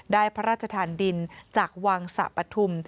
ได้พระราชทานดินจากวังสะปะทุ่ม